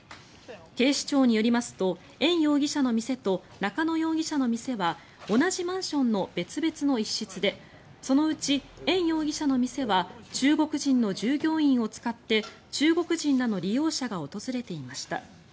警視庁によりますとエン容疑者の店と中野容疑者の店は同じマンションの別々の一室でそのうちエン容疑者の店は中国人の従業員を使って中国人らの利用者が訪れていました。